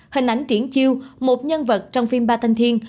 hình ảnh triển chiêu một nhân vật trong phim ba thân thiên